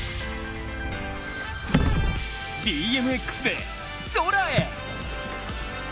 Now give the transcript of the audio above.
ＢＭＸで空へ。